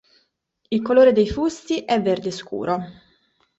Il colore dei fusti è verde scuro.